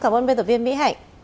cảm ơn biên tập viên mỹ hạnh